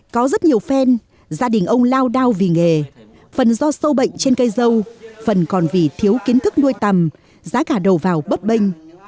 có rất nhiều phen gia đình ông lao đao vì nghề phần do sâu bệnh trên cây dâu phần còn vì thiếu kiến thức nuôi tầm giá cả đầu vào bấp bênh